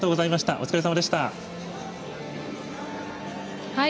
お疲れさまでした。